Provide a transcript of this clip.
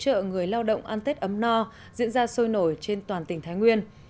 các chương trình hoạt động ăn tết ấm no diễn ra sôi nổi trên toàn tỉnh thái nguyên